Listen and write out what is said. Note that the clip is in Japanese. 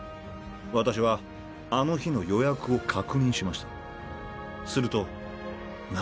私はあの日の予約を確認しました。